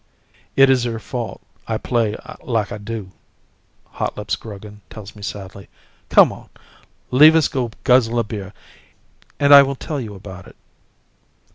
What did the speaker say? "It is her fault I play like I do," Hotlips Grogan tells me sadly. "Come on. Leave us go guzzle a beer and I will tell you about it."